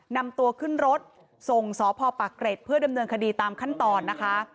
นำตัวขึ้นรถส่งสพปะเกร็ดเพื่อดำเนินคดีตามขั้นตอนนะคะ